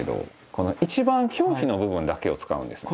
この一番表皮の部分だけを使うんです。